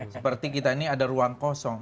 seperti kita ini ada ruang kosong